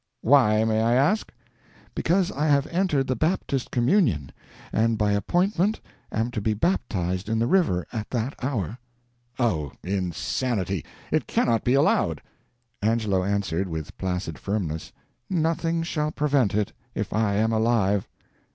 "Why, may I ask?" "Because I have entered the Baptist communion, and by appointment am to be baptised in the river at that hour." "Oh, insanity! it cannot be allowed!" Angelo answered with placid firmness: "Nothing shall prevent it, if I am alive."